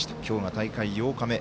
大会８日目。